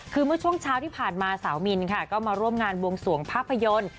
คือเมื่อช่วงเช้าที่ผ่านมาสาวมินค่ะก็มาร่วมงานบวงสวงภาพยนตร์